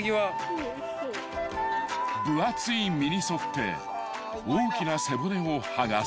［分厚い身に沿って大きな背骨を剥がす］